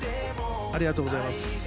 ありがとうございます。